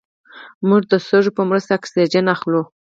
موږ د سږو په مرسته اکسیجن اخلو